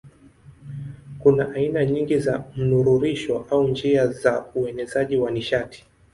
Kuna aina nyingi za mnururisho au njia za uenezaji wa nishati.